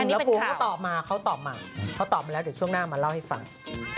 แล้วปูเขาตอบมาเขาตอบมาเขาตอบมาแล้วเดี๋ยวช่วงหน้ามาเล่าให้ฟัง